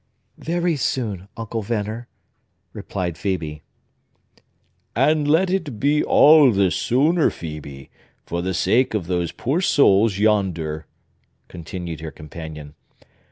"Very soon, Uncle Venner," replied Phœbe. "And let it be all the sooner, Phœbe, for the sake of those poor souls yonder," continued her companion.